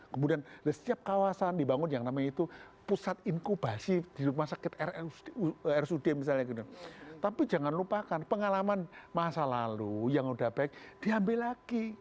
kemudian di setiap kawasan dibangun yang namanya itu pusat inkubasi di rumah sakit rsud misalnya gitu tapi jangan lupakan pengalaman masa lalu yang udah baik diambil lagi